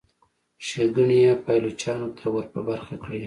ښېګڼې یې پایلوچانو ته ور په برخه کړي.